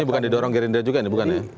ini bukan didorong gerindra juga ya